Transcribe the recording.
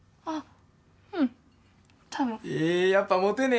あっ。